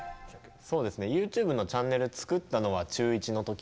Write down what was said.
そうですねＹｏｕＴｕｂｅのチャンネル作ったのは中１の時。